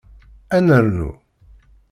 Ad nernu?